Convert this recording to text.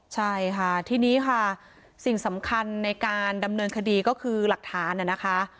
ใช่ค่ะทีนี้ค่ะสิ่งสำคัญในการดำเนินคดีก็คือหลักฐานนะคะ